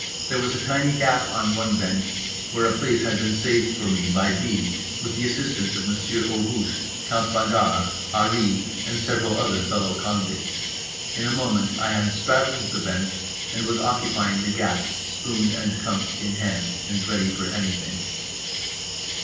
There was a tiny gap on one bench where a place had been saved for me by B., with the assistance of Monsieur Auguste, Count Bragard, Harree and several other fellow convicts. In a moment I had straddled the bench and was occupying the gap, spoon and cup in hand, and ready for anything.